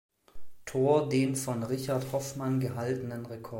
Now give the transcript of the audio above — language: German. Tor den von Richard Hofmann gehaltenen Rekord.